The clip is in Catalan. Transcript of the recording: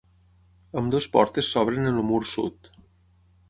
Ambdues portes s'obren en el mur sud.